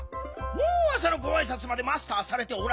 もうあさのごあいさつまでマスターされておられる。